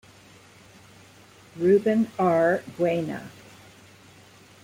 Ruben R. Buena.